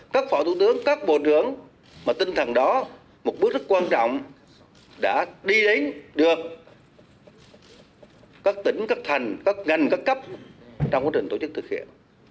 các phó thủ tướng các bộ trưởng mà tinh thần đó một bước rất quan trọng đã đi đến được các tỉnh các thành các ngành các cấp trong quá trình tổ chức thực hiện